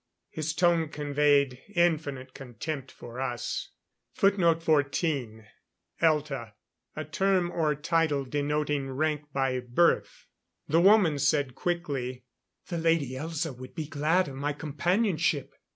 His tone conveyed infinite contempt for us. [Footnote 14: Elta a term or title denoting rank by birth.] The woman said quickly: "The Lady Elza would be glad of my companionship."